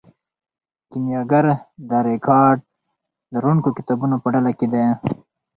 کیمیاګر د ریکارډ لرونکو کتابونو په ډله کې دی.